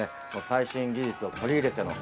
最新技術を取り入れての。